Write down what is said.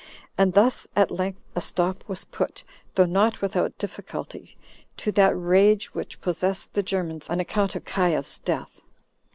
And thus at length a stop was put, though not without difficulty, to that rage which possessed the Germans on account of Caius's death.